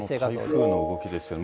台風の動きですよね。